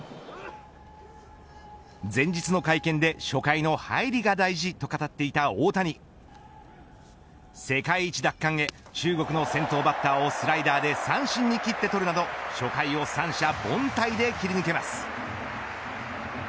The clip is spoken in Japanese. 前日の会見で初回の入りが大事と語っていた大谷世界一奪還へ注目の先頭バッターをスライダーで三振に斬って取るなど初回を三者凡退で切り抜けます。